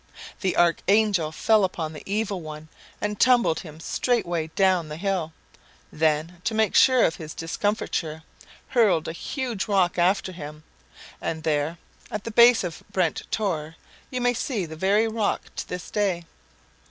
The Archangel fell upon the Evil One and tumbled him straightway down the hill; then, to make sure of his discomfiture, hurled a huge rock after him. And there at the base of Brent Tor you may see the very rock to this day.